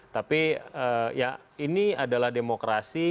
tapi ya ini adalah demokrasi